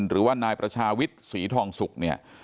หรือว่านายประชาวิทย์ศรีทองสุกเนี่ย